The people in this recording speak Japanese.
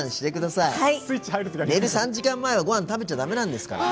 寝る３時間前はごはん食べちゃだめなんですから。